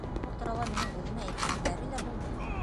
Ул турала минең үҙемә әйткәндәре лә булды.